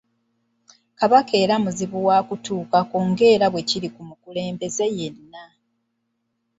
Kabaka era muzibu wakutuukako nga era bwe kiri ku mukulembeze yenna.